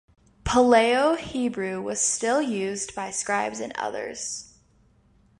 Paleo-Hebrew was still used by scribes and others.